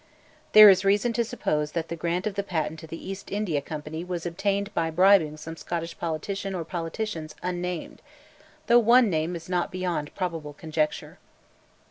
There is reason to suppose that the grant of the patent to the East India Company was obtained by bribing some Scottish politician or politicians unnamed, though one name is not beyond probable conjecture.